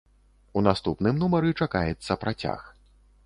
У наступным нумары чакаецца працяг.